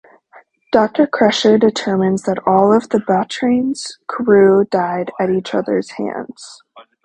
Doctor Crusher determines that all of the "Brattain"'s crew died at each other's hands.